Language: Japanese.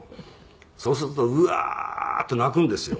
「そうするとうわーって泣くんですよ」